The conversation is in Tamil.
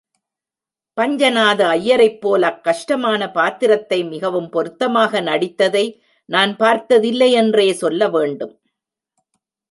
பஞ்சநாத ஐயரைப்போல் அக் கஷ்டமான பாத்திரத்தை மிகவும் பொருத்தமாக நடித்ததை, நான் பார்த்ததில்லை யென்றே சொல்ல வேண்டும்.